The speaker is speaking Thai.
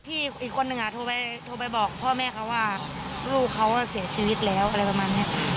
อีกคนหนึ่งโทรไปบอกพ่อแม่เขาว่าลูกเขาเสียชีวิตแล้วอะไรประมาณนี้